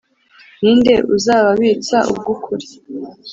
ni nde uzababitsa ubw’ukuri?